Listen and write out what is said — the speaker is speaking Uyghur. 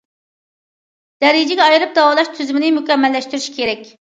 دەرىجىگە ئايرىپ داۋالاش تۈزۈمىنى مۇكەممەللەشتۈرۈش كېرەك.